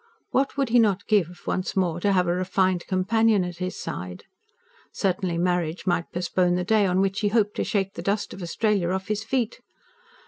What would he not give, once more to have a refined companion at his side? Certainly marriage might postpone the day on which he hoped to shake the dust of Australia off his feet.